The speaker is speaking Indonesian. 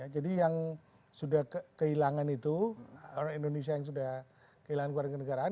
jadi yang sudah kehilangan itu orang indonesia yang sudah kehilangan kewarganegaraan